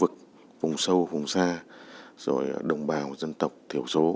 đồng sâu phùng xa rồi đồng bào dân tộc thiểu số